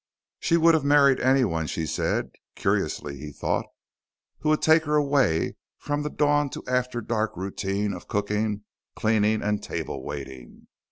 She would have married anyone, she said (curiously, he thought), who would take her away from the dawn to after dark routine of cooking, cleaning, and table waiting.